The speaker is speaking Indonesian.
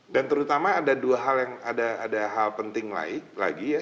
dan terutama ada dua hal yang ada hal penting lagi ya